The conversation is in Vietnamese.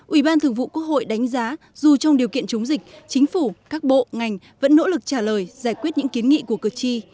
ủy ban thường vụ quốc hội đánh giá dù trong điều kiện chống dịch chính phủ các bộ ngành vẫn nỗ lực trả lời giải quyết những kiến nghị của cử tri